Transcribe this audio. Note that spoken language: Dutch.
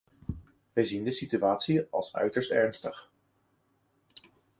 We zien de situatie als uiterst ernstig.